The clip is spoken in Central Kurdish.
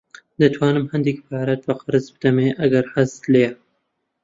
دەتوانم هەندێک پارەت بە قەرز بدەمێ ئەگەر حەزت لێیە.